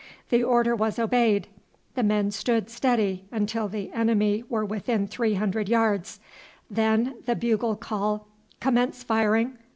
The order was obeyed; the men stood steady until the enemy were within three hundred yards; then the bugle call "Commence firing!"